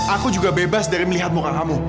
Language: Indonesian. aku juga bebas dari melihat muka kamu